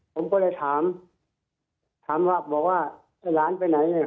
ผมก็เลยถามถามว่าบอกว่าไอ้หลานไปไหนเนี่ย